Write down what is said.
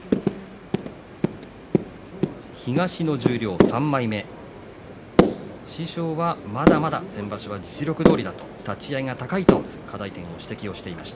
東の十両３枚目師匠はまだまだ先場所は実力どおりだと立ち合いが高いと課題点を指摘していました。